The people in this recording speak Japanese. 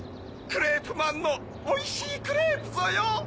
クレープマンのおいしいクレープぞよ！